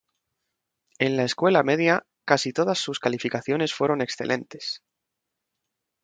En la escuela media, casi todas sus calificaciones fueron excelentes.